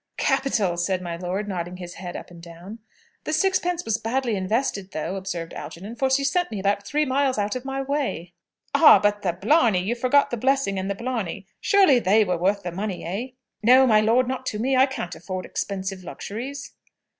"Capital!" said my lord, nodding his head up and down. "The sixpence was badly invested, though," observed Algernon, "for she sent me about three miles out of my way." "Ah, but the blarney! You forget the blessing and the blarney. Surely they were worth the money, eh?" "No, my lord; not to me. I can't afford expensive luxuries."